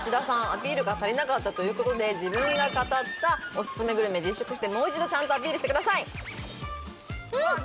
アピールが足りなかったということで自分が語ったオススメグルメ実食してもう一度ちゃんとアピールしてくださいんっ！